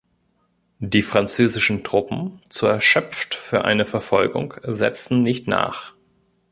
Die französischen Truppen, zu erschöpft für eine Verfolgung, setzten nicht nach.